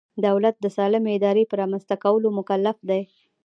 دولت د سالمې ادارې په رامنځته کولو مکلف دی.